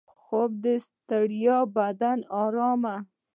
خوب د ستړي بدن ارام دی